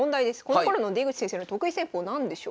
このころの出口先生の得意戦法何でしょうか？